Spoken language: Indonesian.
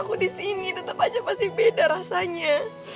aku disini tetep aja pasti beda rasanya